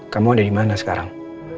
kamu ada dimana sekarang